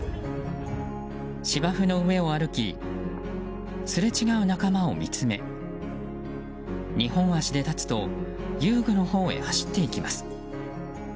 芝生の上を歩きすれ違う仲間を見つめ２本足で立つと遊具のほうへ走っていきます。